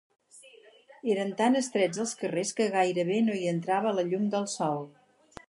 Eren tan estrets els carrers que gairebé no hi entrava la llum del sol.